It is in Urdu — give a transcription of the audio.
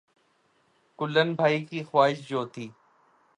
کلن بھائی کی خواہش جوتی